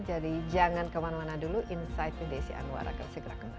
jadi jangan kemana mana dulu insight with desy anwar akan segera kembali